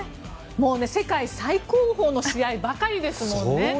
世界最高峰の試合ばかりですもんね。